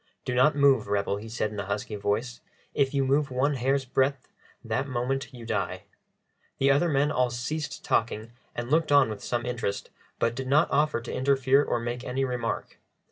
"Do not move, rebel," he said in a husky voice. "If you move one hair's breadth, that moment you die." The other men all ceased talking and looked on with some interest, but did not offer to interfere or make any remark.